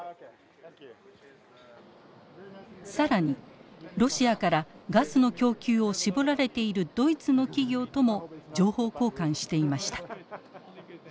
更にロシアからガスの供給を絞られているドイツの企業とも情報交換していました。